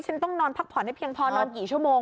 ฉันต้องนอนพักผ่อนให้เพียงพอนอนกี่ชั่วโมง